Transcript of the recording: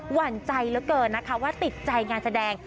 หั่นใจเหลือเกินนะคะว่าติดใจงานแสดง